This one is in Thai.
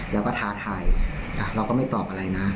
แล้วก็ท้าทายเราก็ไม่ตอบอะไรนะ